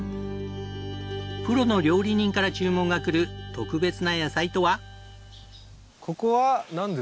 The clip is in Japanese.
プロの料理人から注文がくる特別な野菜とは。